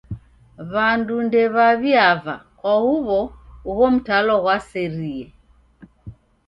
W'andu ndew'aw'iava kwa huw'o ugho mtalo ghwaserie.